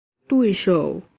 对手